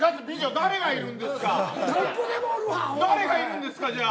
誰がいるんですかじゃあ。